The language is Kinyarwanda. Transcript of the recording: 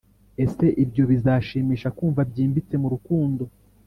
ese ibyo bizashimisha kumva byimbitse mu rukundo,